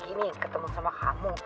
saya ingin ketemu sama kamu